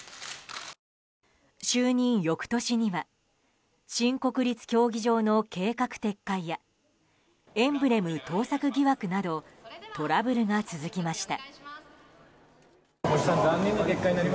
就任翌年には新国立競技場の計画撤回やエンブレム盗作疑惑などトラブルが続きました。